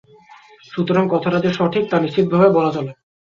সুতরাং কথাটা যে সঠিক, তা নিশ্চিতভাবে বলা চলে।